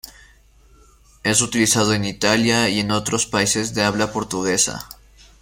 Es utilizado en Italia y en otros países de habla portuguesa.